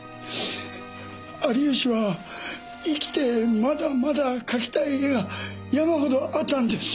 有吉は生きてまだまだ描きたい絵が山ほどあったんです。